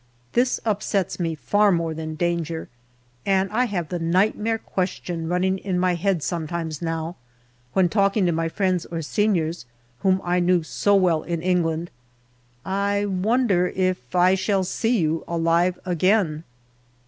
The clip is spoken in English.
This upsets me far more than danger, and I have the nightmare question running in my head sometimes now, when talking to my friends or seniors whom I knew so well in England, " I wonder if I shall see you alive again."